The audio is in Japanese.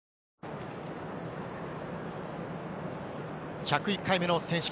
１０１回目の選手権。